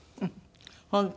本当。